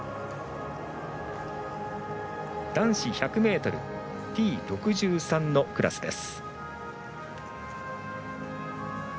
男子１００ｍＴ６３のクラスです。